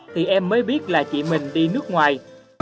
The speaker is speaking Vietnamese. thì em mới biết là chị mình đi nước ngoài